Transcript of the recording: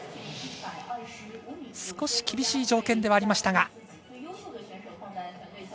少し厳しい条件ではありましたが。